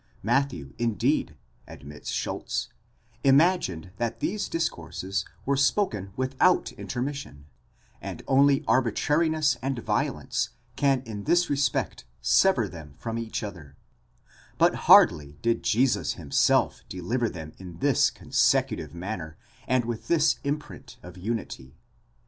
Matthew, indeed, admits Schulz, imagined that these discourses were spoken without intermission, and only arbitrariness and violence can in this respect sever them from each other; but hardly did Jesus himself deliver them in this consecutive manner, and with this imprint of unity.